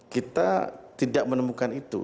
kita tidak menemukan itu